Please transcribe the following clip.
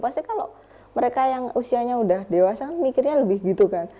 pasti kalau mereka yang usianya udah dewasa kan mikirnya lebih gitu kan